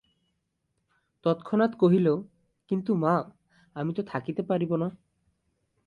তৎক্ষণাৎ কহিল, কিন্তু মা, আমি তো থাকিতে পারিব না।